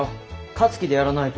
勝つ気でやらないと。